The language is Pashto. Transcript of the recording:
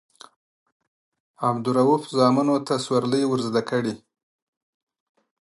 عبدالروف زامنو ته سورلۍ ورزده کړي.